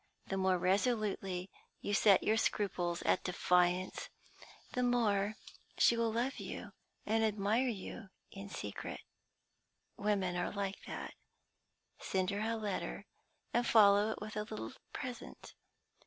The more resolutely you set her scruples at defiance, the more she will love you and admire you in secret. Women are like that. Send her a letter, and follow it with a little present.